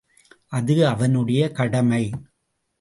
அது அவனுடைய கடமை.